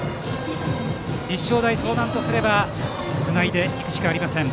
立正大淞南とすればつないでいくしかありません。